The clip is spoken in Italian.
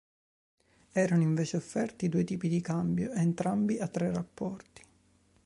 Erano invece offerti due tipi di cambio, entrambi a tre rapporti.